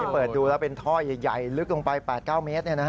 เปิดดูแล้วเป็นท่อใหญ่ลึกลงไป๘๙เมตรเนี่ยนะฮะ